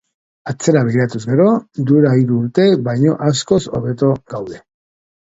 Atzera begiratuz gero, duela hiru urte baino askoz hobeto gaude.